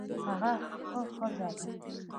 هغه ښه ښځه ده